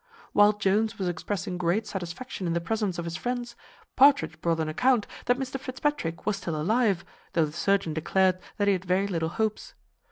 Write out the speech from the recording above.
While Jones was expressing great satisfaction in the presence of his friends, Partridge brought an account that Mr Fitzpatrick was still alive, though the surgeon declared that he had very little hopes.